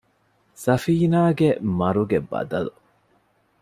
ސަފީނާގެ މަރުގެ ބަދަލު